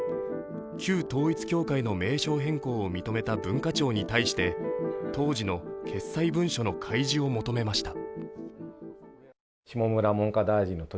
旧統一教会の名称変更を認めた文化庁に対して当時の決裁文書の開示を求めました。